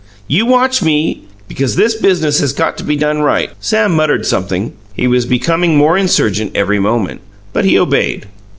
You watch ME, because this biz'nuss has got to be done RIGHT!" Sam muttered something; he was becoming more insurgent every moment, but he obeyed.